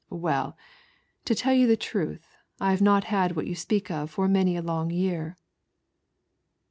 " Well, to tell you the truth, I have not had what 1 speak of for many a long year."